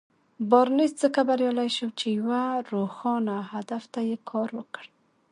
بارنس ځکه بريالی شو چې يوه روښانه هدف ته يې کار وکړ.